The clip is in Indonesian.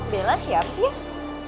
bella siap si yas